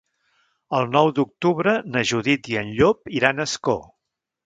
El nou d'octubre na Judit i en Llop iran a Ascó.